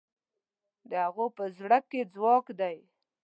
د هغوی په زړه کې ځواک دی.